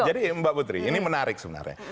jadi mbak putri ini menarik sebenarnya